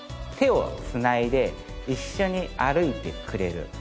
手をつないで一緒に歩いてくれる。